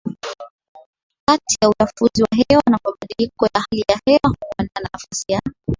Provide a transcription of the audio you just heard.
kati ya uchafuzi wa hewa na mabadiliko ya hali ya hewa huandaa nafasi ya